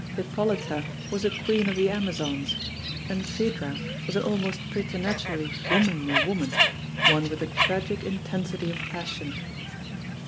Hippolyta was a Queen of the Amazons and Phædra was an almost preternaturally womanly woman, one with a tragic intensity of passion.